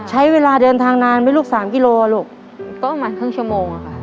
ใช้เวลาเดินทางนานไม่ลวกสามกิโลมีเมตดดิน